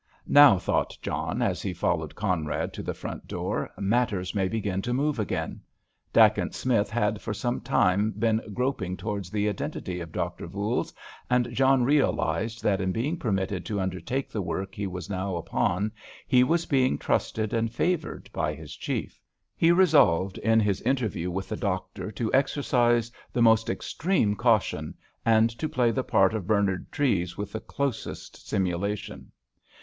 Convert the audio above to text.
"Now," thought John, as he followed Conrad to the front door, "matters may begin to move again." Dacent Smith had for some time been groping towards the identity of Dr. Voules, and John realised that in being permitted to undertake the work he was now upon he was being trusted and favoured by his Chief. He resolved, in his interview with the doctor, to exercise the most extreme caution, and to play the part of Bernard Treves with the closest simulation.